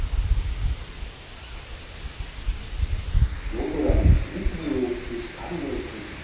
夜空に次々尾を引く光の筋。